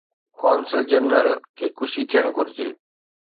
قونصل جنرل کي خوش ٿيڻ گهرجي.